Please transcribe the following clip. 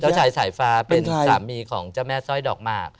เจ้าชายสายฟ้าเป็นสามีของเจ้าแม่สร้อยดอกหมาก